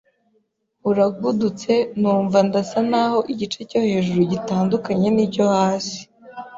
uragudutse numva ndasa n’aho igice cyo hejuru gitandukanye n’icyo hasi